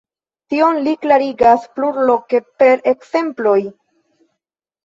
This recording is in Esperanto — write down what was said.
Tion li klarigas plurloke per ekzemploj.